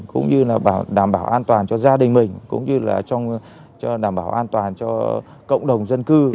cũng như là đảm bảo an toàn cho gia đình mình cũng như là trong đảm bảo an toàn cho cộng đồng dân cư